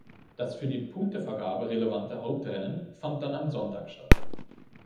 Das für die Punktevergabe relevante Hauptrennen fand dann am Sonntag statt.